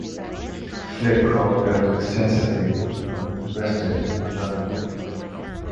Flitcroft built extensively in the West End of London.